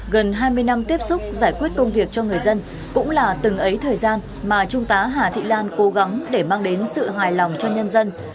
gần hai mươi năm tiếp xúc giải quyết công việc cho người dân cũng là từng ấy thời gian mà trung tá hà thị lan cố gắng để mang đến sự hài lòng cho nhân dân